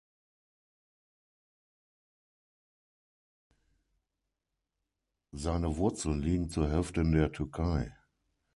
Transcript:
Seine Wurzeln liegen zur Hälfte in der Türkei.